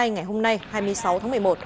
ngày hôm nay hai mươi sáu tháng một mươi một